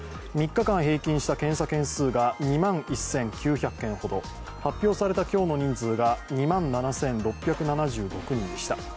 ３日間平均した検査件数が２万１９００件ほど、発表された今日の人数が２万７６７６人でした。